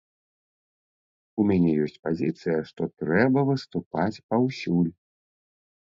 У мяне ёсць пазіцыя, што трэба выступаць паўсюль.